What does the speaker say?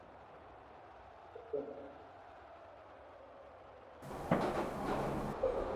Muy tempranamente demostró poseer habilidades musicales.